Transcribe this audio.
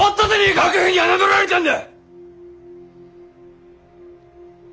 幕府に侮られたんだ！